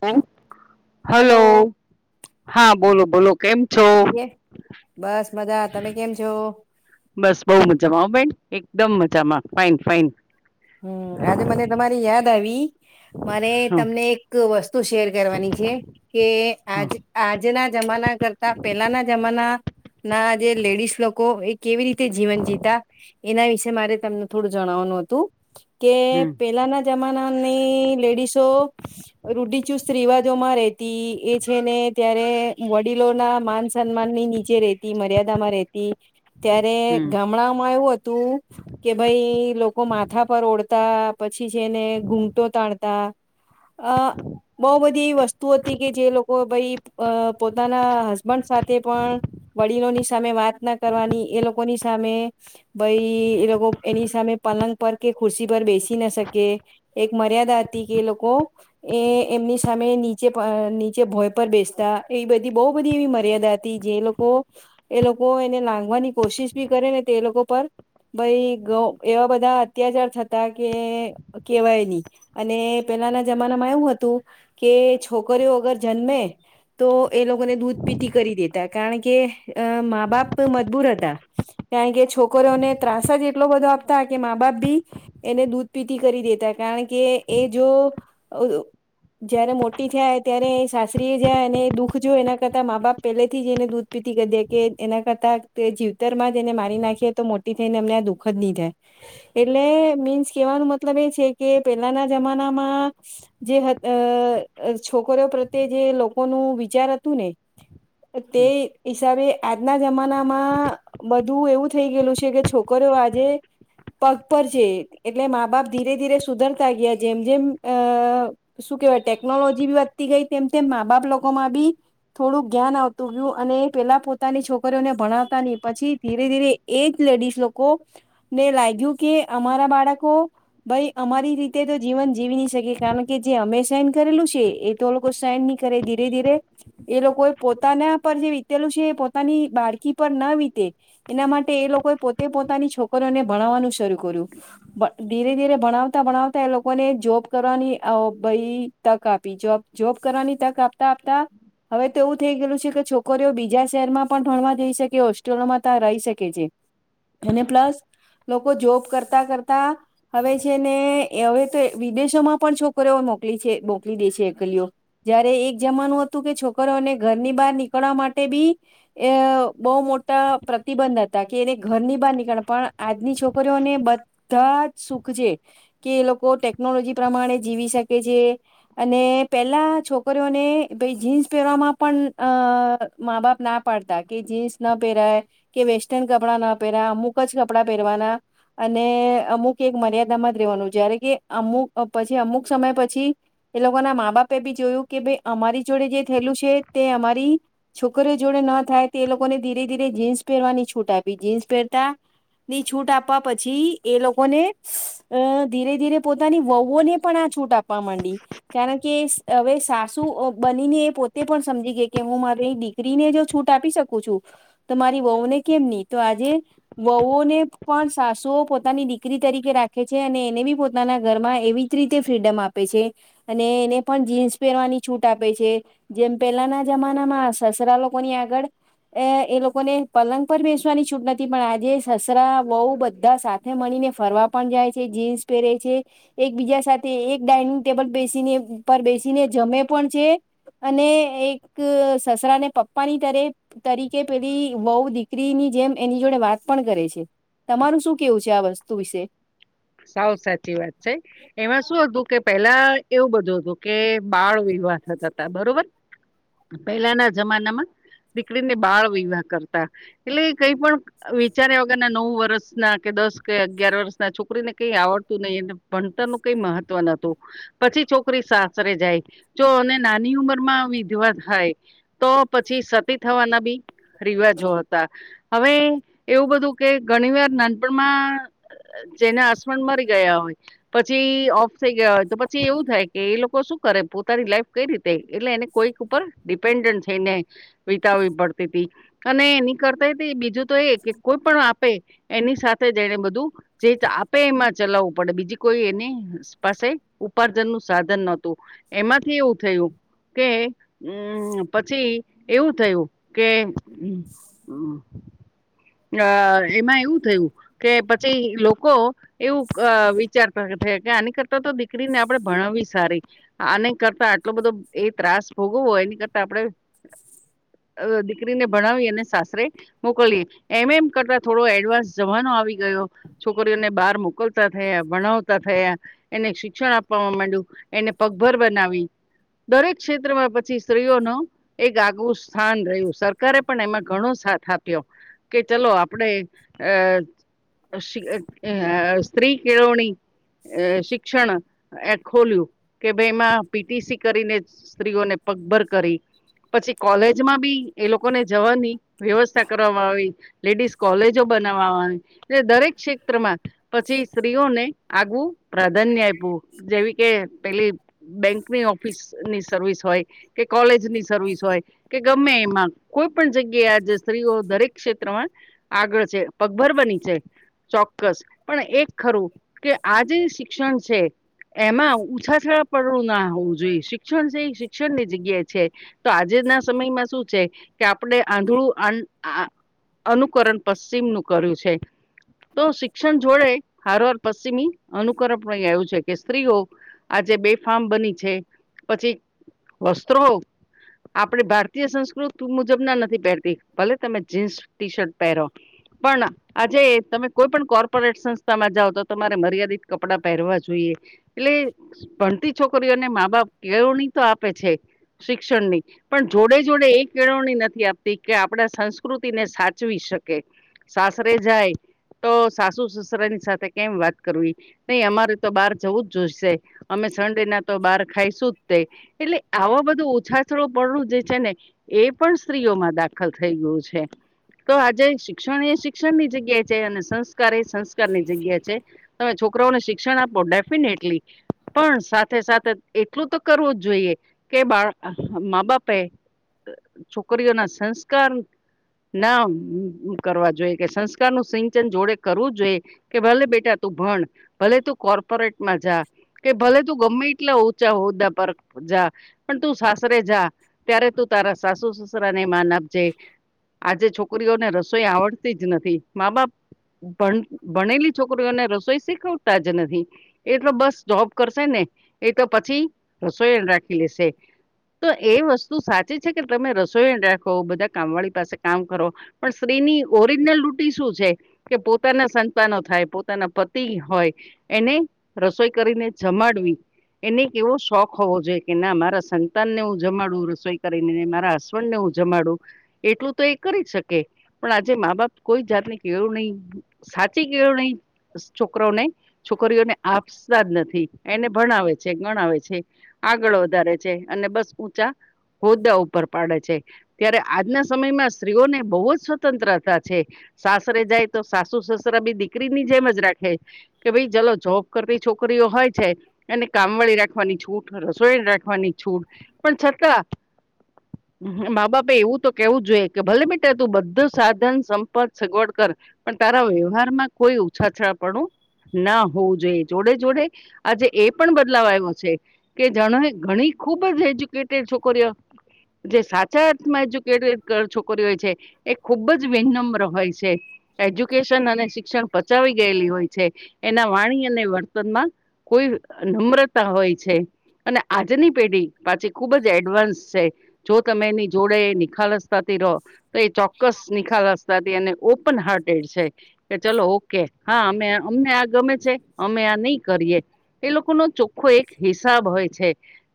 Hello hello હા બોલો બોલો કેમ છો? કે બસ મજા તમે કેમ છો? બસ બો મજામાં ઓ બેન એકદમ મજામાં ફાઇન ફાઈન હમ આજે મને તમારી યાદ આવી મારે હ હ તમને એક વસ્તુ શેર કરવાની છે, કે હમ આજ આજના જમાના કરતા પેલાના જમાના ના જે લેડીસ લોકો એ કેવી રીતે જીવન જીવતા એના વિશેે મારે તમને થોડું જણાવવાનું હતું. કે હમ પેલાના જમાનાની લેડીસો રૂઢિચુસ્ત રિવાજોમાં રેતી એ છે, ને ત્યારે વડીલો ના માન સન્માન ની ચે રેતી મર્યાદામાં રેતી ત્યારે હમ. ગામડામાં એવું હતું કે ભાઈ લોકો માથા પર ઓઢતા પછી જેને ઘૂઘટો તાણતા અ બો બધી એવી વસ્તુ હતી કે જે લોકો ભઈ અ પોતાના હસબન્ડ સાથે પણ વડીલોની સામે વાત ના કરવાની એ લોકોની સામે ભાઈ એ લોકો એની સામે પલંગ પર કે ખુરશી પર બેસી ના શકે એક મર્યાદા હતી કે લોકો એ એમની સામે નીચે નીચે ભોય પર બેસતા એવી બધી બો બધી એવી મર્યાદા હતી જે લો કો એ લોકો એને લંગવાની કોશિશ બી કરે ને તે એ લોકો પર ભાઈ ગ એવા બધા અત્યાચાર થતા કે કહેવાયની અને પેલાના જમાનામાં એવુ હતું. કે છોકરીઓ અગર જન્મે તો એ લોકોને દૂધ પીતી કરી દેતા કારણ કે અ મા બાપ મજબૂર હતા. કારણ કે છોકરીઓને ત્રાસ જ એટલો બધો આપતા કે મા બાપ બી એને દૂધ પીતી કરી દેતા કારણ કે એ જો [unintelligible] જયારે મોટી થાય ત્યારે સાસરીએ જાય અને દુઃખ જો એના કરતા મા બાપ પહેલેથી જઈને દુ પીતિ કર દે કે એના કરતા જીવતરમાં જ એને મારી નાખીએ તો મોટી થઈ ને એમને દુઃખ જ ની થાય. એટલે મીન્સ કેવાનો મતલબ એ છે, કે પેલાના જમાનામાં જે હ અ છોકરીઓ પ્રત્યે જે લોકોનું વિચાર હતુંને તે હિસાબે આજના જમાનામાં બધું એવું થઈ ગયેલું છે, કે છોકરીઓ આજે પગ પર છે, એટલે માં બાપ ધીરે ધીરે સુધરતા ગયા જેમ જેમ અ શું કહેવાય ટેકનોલોજી ભી વધતી ગઈ તેમ તેમ માંબાપ લોકોમાં બી થોડુંક જ્ઞાન આવતું ગયું અને પેલા પોતાની છોકરીઓને ભણાવતા ની પછી ધીરે ધીરે એ લેડીસ લોકો ને લાગ્યું કે અમારા બાળકો ભાઈ અમારી રીતે તો જીવન જીવી ન શકે કારણ કે જે અમે સાઈન કરેલું છે, એ તો લોકો સાઈન ની કરે ધીરે ધીરે એ લોકો એ પોતાના પર જે વીતેલું છે, એ પોતાની બાળકી પર ના વીતે એના માટે એ લોકોએ પોતે પોતાની છોકરીઓને ભણાવવાનું શરૂ કર્યું. ભ ધીરે ધીરે ભણાવતા ભણાવતા એ લોકોને જોબ કરવાની ઓ ભાઈ તક આપી જોબ જોબ કરવાની તક આપતા આપતા હવે તેવુ થઈ ગેલું છે, કે છોકરીઓ બીજા શહેરમાં પણ ભણવા જઈ શકે હોસ્ટેલોમાં ત્યાં રહી શકે છે. અને પ્લસ કો જોબ કરતાં કરતાં હવે છે, ને હવે તો વિદેશોમાં પણ છોકરીઓ મોકલી છે, મોકલી દે છે, એકલીઓ જયારે એક જમાનું હતું કે છોકરોને ઘરની બહાર નીકળવા માટે બી એ બો મોટા પ્રતિબંધ હતા કે એને ઘરની બહાર નીકળે પણ આજની છોકરીઓ ને બધા જ સુખ છે. કે એ લોકો ટેકનોલોજી પ્રમાણે જીવી શકે છે. અને પહેલા છોકરીઓને ભાઈ જીન્સ પહેરવામાં પણ અ માં -બાપ ના પાડતા કે જીન્સ ન પેરાય. કે વેસ્ટર્ન કપડાંના પેરા અમુક જ કપડાં પહેરવાના. અને અમુક એક મર્યાદામાં જ રહેેવાનું જ્યારે કે અમુક પછી અમુક સમય પછી એ લોકો ના માં -બાપે ભી જોયું કે ભાઈ અમારી જોડે જે થયેલું છે, તે અમારી છોકરીઓ જોડે ન થાય તે લોકોને ધીરે- ધીરે જીન્સ પહેરવાની છૂટ આપી જીન્સ પહેરતાં ની છૂટ આપવા પછીએ લોકોને અ ધીરે- ધીરે પોતાની વવુઓને પણઆ છૂટ આપા માંડી કારણ કે હવે સાસુ બનીને એ પોતે પણ સમજી ગઈ કે હું મારી દીકરીને જો છૂટ આપી શકું છું તો મારી વહુને કેમ નહીં તો આજે વહુઓને પણ સાસુઓ પોતાની દીકરી તરીકે રાખે છે, અને એને ભી પોતાના ઘરમાં એવી જ રીતે ફ્રીડમ આપે છે. અને એને પણ જીન્સ પહેરવાની છૂટ આપે છે. જેમ પેલાના જમાનામાં સસરા લોકોની આગળ એ એ લોકોને પલંગ પર બેસવાની છૂટ નથી પણ આજે સસરા વહુ બધા સાથે મળીને ફરવા પણ જાય છે જીન્સ પહેરે છે. એકબીજા સાથે એક ડાઇનિંગ ટેબલ બેસીને પર બેસીને જમે પણ છે. અને એક સસરાને પપ્પાની દરે તરીકે પેલી વહુ દીકરીની જેમ એની જોડે વાત પણ કરે છે. તમારું શું કેવું છે, આ વસ્તુ વિશે સાવ સાચી વાત છે. એમાં શું હતું કે પેલા એવું બધું હતું કે બાળ- વિવાહ થતા હતા બરોબર. પહેલાના જમાનામાં દીકરીને બાળ- વિવાહ કરતાં. એટલે કંઈપણ વિચાર્યા વગરના નવ વર્ષના કે દસ કે અગિયાર વર્ષના છોકરીને કઈ આવડતું નહીં અને ભણતરનું કંઈ મહત્વ નોતું. પછી છોકરી સાસરે જાય જો અને નાની ઉંમર માં વિધવા થાય. તો પછી સતી થવાના બી રિવાજો હતા. હવે એવું બધું કે ઘણી વાર નાનપણમાં જેના હસબન્ડ મરી ગયા હોય પછી ઓફ થઈ ગયા હોય તો પછી એવું થાય કે એ લોકો શું કરે પોતાની લાઈફ રીતે એટલે એને કોઈક ઉપર ડિપેન્ડન્ટ થઈ ને વિતાવવી પડતી તી અને એની કરતા બીજું તો એ કે કોઈ પણ આપે એની સાથે જઈ ને બધું જે આપે એમાં ચલાવવું પડે બીજી કોઈ એની પાસે ઉપાર્જન નું સાધન નતું. એમાં એવું થયું કે હમ્મ પછી એવું થયું કે અ એમાં એવું થયું કે પછી લોકો એવું વિચારતા થયા કે આની કરતા તો દીકરીને આપણે ભણાવવી સારી. આની કરતા આટલો બધો એ ત્રાસ ભોગવો એની કરતા આપડે [inaudible] અ દીકરીને ભણાવી અને સાસરે મોકલીએ એમ એમ કરતા થોડો એડવાન્સ જમાનો આવી ગયો. છોકરીઓને બહાર મોકલતા થયા ભણાવતા થયા. એને શિક્ષણ આપવાવામાં માંડ્યું એને પગભર બનાવી- - દરેક ક્ષેત્રમાં પછી સ્ત્રીઓનો- - એક આગવું સ્થાન રહ્યું સરકારે પણ એમાં ઘણો સાથ આપ્યો- - કે ચલો આપણે અ સ્ત્રી કેળણી- - એ શિક્ષણ એ ખોલ્યું કે ભાઈ એમાં પીટીસી કરીને સ્ત્રીઓને- - પગભર કરી પછી કોલેજમાં બી એ લોકોને જવાની વ્યવસ્થા કરવામાં આવી. લેડિસ કોલેજો બનાવા- - એ દરેક ક્ષેત્રમાં પછી સ્ત્રીઓને આગવું પ્રાધાન્ય આપવું જેવી કે પેલી બેંકની ઓફિસની સર્વિસ હોય- - કે કોલેજ ની સર્વિસ હોય કે ગમે એમાં કોઈ પણ જગ્યા આજે સ્ત્રીઓ દરેક- - ક્ષેત્રમાં આગળ છે પગભર બની છે. ચોક્કસ પણ એક ખરું કે આ જે શિક્ષણ છે. એમાં ઉછા થળ પડું ના હોવું જોઈએ. શિક્ષણ છે એ શિક્ષણની જગ્યા છે તો આજે ના સમયમાં શું છે. કે આપણે આંધળું- - અનુકરણ પશ્ચિમ નું કર્યું છે. તો શિક્ષણ જોડે હારવાર પશ્ચિમી અનુકરણ પણ આવ્યું છે કે સિરિયા - - આજે બે ફાર્મ બની છે પછી વસ્ત્રો- - આપડી ભારતીય સંસ્કૃતિ ત મુજબ ના નથી પહેરતી ભલે તમે જીન્સ ટી શર્ટ પહેરો- - પણ- - આજે તમે કોઈ પણ કોર્પોરેટ સંસ્થામાં જાઓ તો તમારે મર્યાદિત કપડાં પહેરવા જોઈએ. એટલે ભણતી છોકરીઓને મા બાપ કેવણી તો આપે છે. શિક્ષણ ની પણ જોડે જોડે એ કેળવણી નથી આપતી કે આપણા સંસ્કૃતિ ને- - સાચવી શકે સાસરે જાય. તો સાસુ સસરાની સાથે કેમ વાત કરવી- - નહી તો બહાર જવું જ જોઈશે અમે સનડે ના તો બાર- - ખાઈશું તે એટલે આવા બધું ઉછાચરો જે છે ને એ પણ- - સ્ત્રીઓમાં દાખલ થઈ ગયું છે. તો આજે શિક્ષણ એ શિક્ષણ ની જગ્યા છે અને સંસ્કાર એ સંસ્કાર ની જગ્યા છે તમે છોકરી- - છોકરાઓને શિક્ષણ આપો ડેફિનેટલી પણ સાથે સાથે એટલું તો કરવું જ જોઈએ- - કે બાળ મા બાપે છોકરીઓના સંસ્કાર- - નામ કરવા જોઈએ કે સંસ્કાર નું સિંચન જોડે કરવું જ જોઈએ. કે ભલે બેટા તું ભણ ભલે તું કોર્પોરેટ માં જા કે ભલે તું ગમે એટલા ઊંચા હોદ્દા પર જા. પણ તું સાસરે જા ત્યારે તું તારા સાસુ સસરા ને માન આપજે. આજે છોકરીઓને રસોઈ આવડતી જ નથી મા બાપ પણ ભણેલી છોકરીઓને રસોઈ શીખવતા જ નથી. એ તો બસ જોબ કરશે ને એ તો પછી રશોયણ રાખી લેશે તો એ વસ્તુ સાચી છે કે તમે રશોયણ રાખો બધા કામવાળી પાસે કામ કરો પણ સ્ત્રીની ઓરિજિનલ ડુટી શું છે? કે પોતાના સંતાનો થાય પોતાના પતિ હોય. એને રસોઈ કરીને જમાડવી. એને એવો શોખ હોવો જોઈએ કે ના મારા સંતાનને હું જમાડું રસોઈ કરીને ને મારા હસ બન્ડને હું જમાડું એટલું તો એ કરી શકે પણ આજે મા બાપ કોઈ જાતની કેળું નહી સાચી કેળું નહી છોકરોને છોકરીઓને આપસા જ નથી એને ભણાવે છે, ગણાવે છે. આગળ વધારે છે અને બસ ઊંચા હોદ્દા ઉપર પાડે છે, ત્યારે આજના સમયમાં સ્ત્રીઓને બોહુ જ સ્વતંત્રતા છે. સાસરે જાય તો સાસુ-સસરા બી દીકરીની જેમ જ રાખે. કે ભાઈ જલો જોબ કરતી છોકરીઓ હોય છે. એને કામવાળી રાખવાની છૂટ, રસોઈન રાખવાની છૂટ પણ છતાં મા-બાપે એવું તો કેહવું જ જોઈએ કે ભલે બેટા તું બધું સાધન, સંપદ, સગવડ કર પણ તારા વ્યવહારમાં કોઈ ઉછાછા પણું ના હોવું જોઈએ. જોડે-જોડે આજે એ પણ બદલાવ આઈવો છે. કે જાણો એ ઘણી ખુબ જ એજયુ કેટેડ છોકરીઓ જે સાચા અર્થમાં એજ્યુકેટેડ ક ર્યું હોય છે એ ખુબ જ વિનમ્ર હોય છે. એજ્યુકેશન અને શિક્ષણ પચાવી ગયેલી હોય છે. એના વાણી અને વર્તનમાં કોઈ નમ્રતા હોય છે. અને આજની પેઢી પાછી ખુબ જ એડવાન્સ શે. જો તમે એની જોડે નિખાલસતાથી રહો તો એ ચોક્કસ નિ ખાલસતાથી અને ઓપન હાર્ટેડ છે. કે ચલો ઓકે હા અમે અમને આ ગમે અમે આ નહી કરીએ. એ લોકોનો ચોખ્ખો એક હિસાબ હોય છે.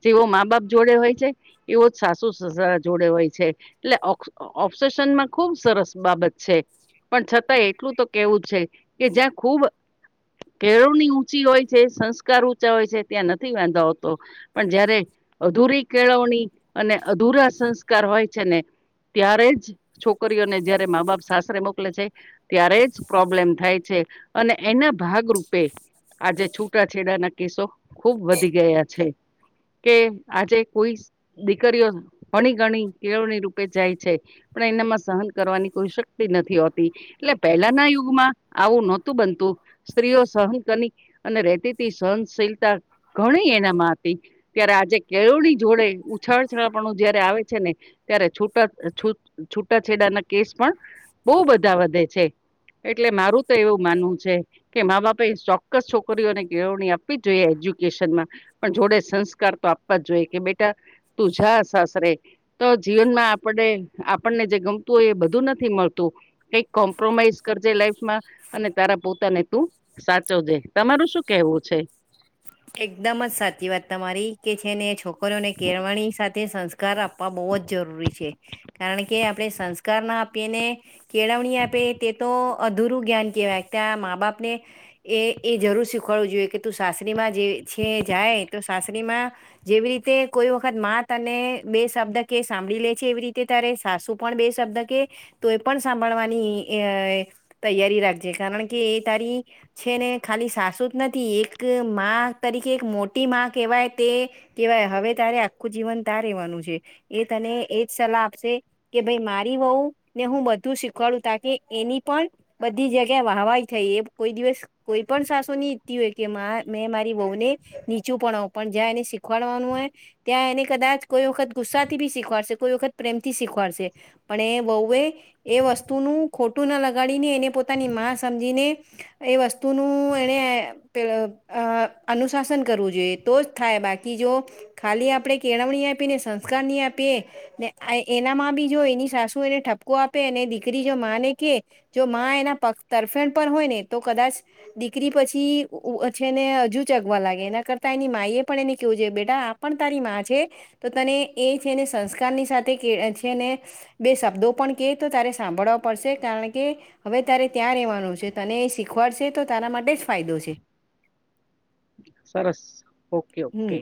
જેવો મા-બાપ જોડે હોય છે એવો સાસુ-સસરા જોડે હોય છે એટલે [unintelligible] ઓપ્સેેશનમાં ખુબ સરસ બાબત છે. પણ છતાં એટલું તો કેવું છે કે જ્યાં ખુબ કેળવણી ઊંચી હોય છે, સંસ્કાર ઊંચા હોય છે ત્યાં નથી વાંધો આવતો. પણ જયારે અધૂરી કેળવણી અને અધૂરા સંસ્કાર હોય છે ને ત્યારે જ છોકરીઓને જયારે મા-બાપ સાસરે મોકલે છે. ત્યારે જ પ્રોબ્લેમ થાય છે અને એના ભાગરૂપે આજે છૂટાછેડાના કેસો ખુબ વધી ગયા છે. કે આજે કોઈ દીકરીઓ ભણી ગણી કેળવણી રૂપે જાય છે પણ એનામાં સહન કરવાની કોઈ શક્તિ નથી હોતી. એટલે પહેલાના યુગમાં આવું નહોતું બનતું. સ્ત્રીઓ સહન કની અને રેહતી તી સહનશીલતા ઘણી એનામાં હતી. ત્યારે આજે કેળવણી જોડે ઉછાળછળાપણું જયારે આવે છે ને ત્યારે છૂટા છૂટ-છૂટાછેડાના કેસ પણ બહુ બધા વધે છે. એટલે મારું તો એવું માનવું છે કે મા-બાપે ચોક્કસ છોકરીઓને કેેળવણી આ પવી જોઈએ એજ્યુકેશનમાં પણ જોડે સંસ્કાર તો આપવા જ જોએ કે બેટા તું જા સાસરે તો જીવનમાં આ પડે આપણને જે ગમતું હોય એ બધું નથી મળતું કઈક કોમ્પ્રોમાઈઝ કરજે લાઈફમાં અને તારા પોતાને તું સાચવજે. તમારું શું કેવું છે? એકદમ જ સાચી વાત તમારી કે છે ને છોકરીને કેળવણી સાથે સંસ સંસ્ કાર આપવા બહુ જ જરૂરી છે કારણ કે આપણે સંસ્કાર ના આપીને કેળવણી આપે તે તો અધૂરું ગ્યાન કહેવાય ત્યાં મા-બાપને એ એ જરૂર શીખવાડવું જોઈએ કે તું સાસરીમાં જે છે જાય તો સાસરીમાં જેવી રીતે કોઈ વખત મા તને બે શબ્દ કે સાંભળી લે છે, એવી રીતે તારે સાસુ પણ બે શબ્દ કે, તો એ પણ સાંભળવાની અ એ તૈયારી રાખજે, કારણ કે એ તારી છેને ખાલી સાસુજ નથી, એક મા તરીકે એક મોટી માં કહેવાય તે કેહેવાય, હવે તારે આખું જીવન તા રહેવાનું છે. એ તને એજ સલાહ આપશે. કે ભાઈ, મારી વહુ ને હું બધું શીખવાડું, તા કે એની પણ બધી જગ્યા વાહવાય થઈ, એ કોઈ દિવસ કોઈ પણ સાસુ ની ઇચ્છતી હોય કે મા મે મા બહુ ને નીચું પણ અવ, પણ જ્યાં એને શીખવાડવાનું હોય ત્યાં એને કદાચ કોઈ વખત ગુસ્સાથી બી શીખવાડશે, કોઈ વખત પ્રેમથી શીખવાડશે. પણ એ બઉએ એ વસ્તુનું ખોટું ના લગાડીને, એને પોતાની માં સમજીને એ વસ્તુનું એને પેલો અ અનુશાસન કરવું જોઈએ, તો જ થાય, બાકી જો ખાલી આપણેે કેળવણી આપીએ, ને સંસ્કાર ની આપીએ. ને આ એનામાં બી જો એની સાસુ એને ઠપકો આપે, અને દીકરી જો માં ને કે જો માં એના પગ તરફેણ પર હોયને, તો કદાચ દીકરી પછી ઉ છે ને હજુજ ચગવા લાગે, એના કરતાં એની માઈએ પણ એને કેવું જોઈએ, બેટા આ પણ તારી મા છે. તો તને એ છેને સંસ્કારની સાથે કે છે ને બે શબ્દો પણ કે, તો તારે સાંભળવા પડશે, કારણ કે હવે તારે ત્યાં રહેવાનું છે, તને એ શીખવાડશે તો તારા માટે જ ફાયદો છે. સરસ ઓકે ઓકે, હમ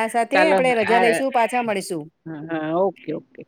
આ સાથે ચાલો આપણે રજા આ લઈશું પાછા મળીશું હા, ઓકે ઓકે.